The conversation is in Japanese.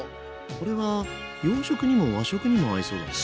これは洋食にも和食にも合いそうだね。